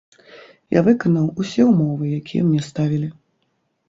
Я выканаў усе ўмовы, якія мне ставілі.